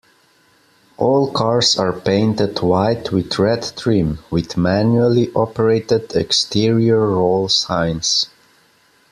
All cars are painted white with red trim, with manually operated exterior roll signs.